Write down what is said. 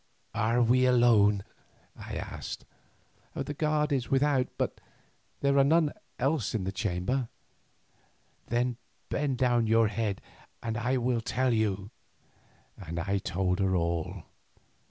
"Are we alone?" I asked. "The guard is without, but there are none else in the chamber." "Then bend down your head and I will tell you," and I told her all.